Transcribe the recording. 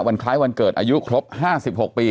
คล้ายวันเกิดอายุครบ๕๖ปี